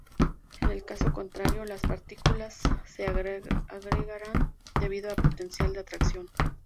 En el caso contrario, las partículas se agregarán debido al potencial de atracción.